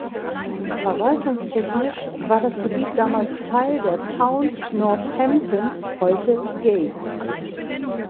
Verwaltungstechnisch war das Gebiet damals Teil der Town "Northampton" (heute Gates).